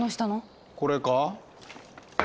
これか？